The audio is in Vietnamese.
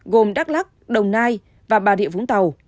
gồm đắk lắc đồng nai và bà rịa vũng tàu